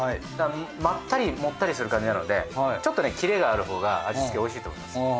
だからまったりもったりする感じなのでちょっとねキレがあるほうが味付けおいしいと思います。